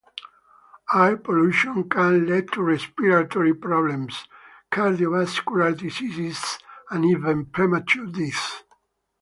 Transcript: Air pollution can lead to respiratory problems, cardiovascular diseases, and even premature death.